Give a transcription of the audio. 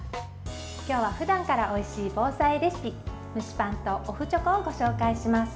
今日はふだんからおいしい防災レシピ蒸しパンとお麩チョコをご紹介します。